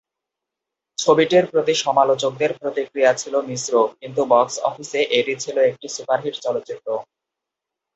ছবিটির প্রতি সমালোচকদের প্রতিক্রিয়া ছিলো মিশ্র, কিন্তু বক্স অফিসে এটি ছিলো একটি সুপারহিট চলচ্চিত্র।